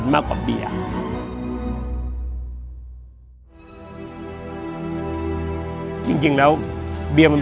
นำไปสู่การเปลี่ยนแปลง